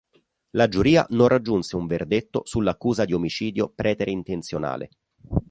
La giuria non raggiunse un verdetto sull'accusa di omicidio preterintenzionale.